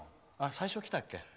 最初に来たっけ？